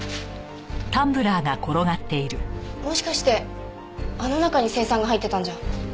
もしかしてあの中に青酸が入ってたんじゃ。